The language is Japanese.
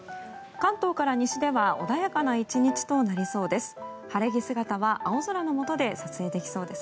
関東から西では穏やかな１日となりそうです。